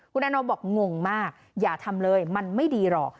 คุณอานนท์บอกงงมากอย่าทำเลยมันไม่ดีหรอก